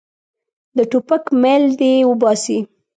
د ټوپک میل دې وباسي.